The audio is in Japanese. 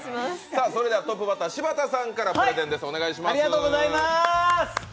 それではトップバッター柴田さんからプレゼンです。